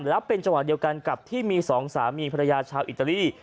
แล้วเป็นจังหวะเดียวกันกับที่มีสองสามีภรรยาชาวอิตาลี